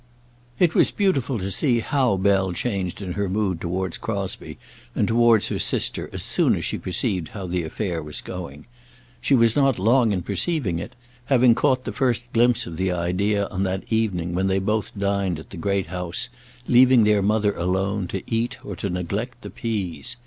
It was beautiful to see how Bell changed in her mood towards Crosbie and towards her sister as soon as she perceived how the affair was going. She was not long in perceiving it, having caught the first glimpses of the idea on that evening when they both dined at the Great House, leaving their mother alone to eat or to neglect the peas.